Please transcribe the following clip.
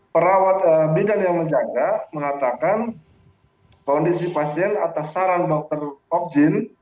perawat bidan yang menjaga mengatakan kondisi pasien atas saran dokter opjin